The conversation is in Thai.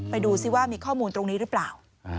ดูสิว่ามีข้อมูลตรงนี้หรือเปล่า